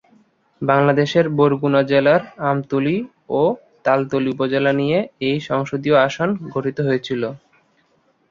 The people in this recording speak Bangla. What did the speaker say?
বাংলাদেশের বরগুনা জেলার আমতলী ও তালতলী উপজেলা নিয়ে এ সংসদীয় আসন গঠিত হয়েছিল।